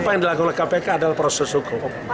apa yang dilakukan oleh kpk adalah proses hukum